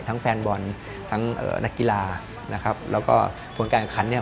ทั้งแฟนบอลทั้งนักกีฬาแล้วก็ผลการกนครนี้